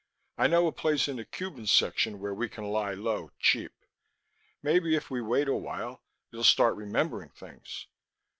"I know a place in the Cuban section where we can lie low, cheap. Maybe if we wait a while, you'll start remembering things."